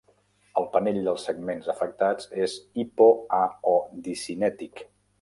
El panell dels segments afectats és -hipo-, a- o discinètic.